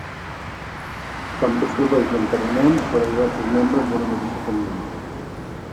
També serveix d'enterrament per a diversos membres d'una mateixa família.